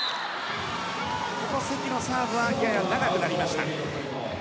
関のサーブはやや長くなりました。